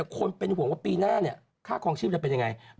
คนเป็นห่วงว่าปีหน้าค่าคล้องชีพจะเป็นยังอย่างไร